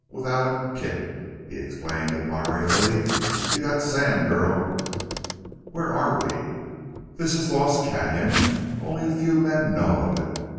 Without a kick!" he exclaimed, admiringly. "You've got sand, girl!" "Where are we?" "This is Lost Canon. Only a few men know of it.